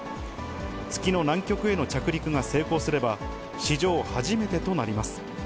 月の南極への着陸が成功すれば、史上初めてとなります。